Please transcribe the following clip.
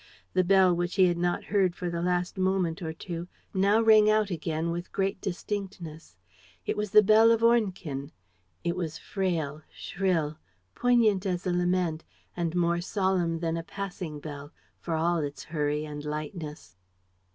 The bell, which he had not heard for the last moment or two, now rang out again with great distinctness. It was the bell of Ornequin. It was frail, shrill, poignant as a lament and more solemn than a passing bell, for all its hurry and lightness.